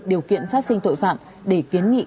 điều kiện phát sinh tội phạm để kiến nghị